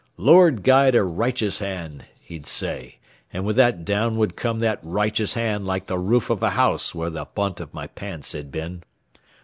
'Lord guide a righteous hand,' he'd say, and with that down would come that righteous hand like the roof of a house where the bunt of my pants had been.